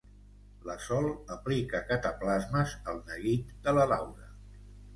La Sol aplica cataplasmes al neguit de la Laura.